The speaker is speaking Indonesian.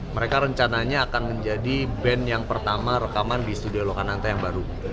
mereka rencananya akan menjadi band yang pertama rekaman di studio lokananta yang baru